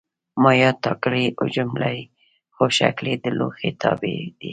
مایعات ټاکلی حجم لري خو شکل یې د لوښي تابع دی.